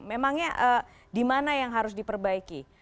memangnya di mana yang harus diperbaiki